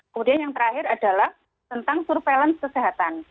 kemudian yang terakhir adalah tentang surveillance kesehatan